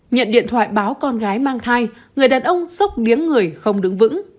nhận điện thoại báo con gái mang thai người đàn ông sốc miếng người không đứng vững